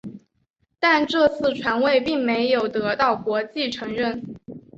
但这次传位并没有得到国际承认。